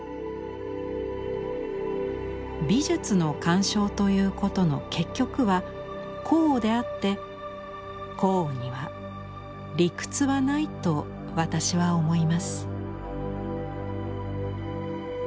「美術の鑑賞ということの結局は好悪であって好悪には理屈はないと私は思います」。